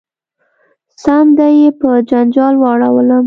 سم دم یې په جنجال واړولم .